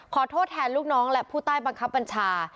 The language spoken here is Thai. ขอโทษแทนลูกน้องและผู้ใต้บังคับบัญชา